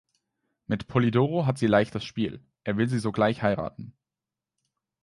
Mit Polidoro hat sie leichtes Spiel: Er will sie sogleich heiraten.